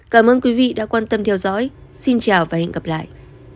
cảm ơn quý vị đã quan tâm theo dõi xin chào và hẹn gặp lại